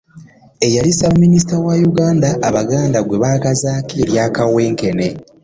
Yali ssaabaminisita wa Uganda, abaganda gwe baakazaako erya Kawenkene